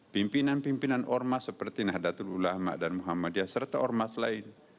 pimpinan pimpinan ormas seperti nahdlatul ulama dan muhammadiyah serta ormas lain